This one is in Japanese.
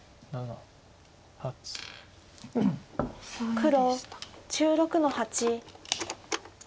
黒１６の八。